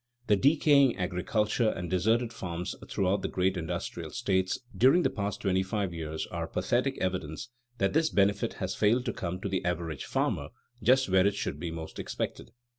The decaying agriculture and deserted farms throughout the great industrial states during the past twenty five years are pathetic evidence that this benefit has failed to come to the average farmer just where it should be most expected.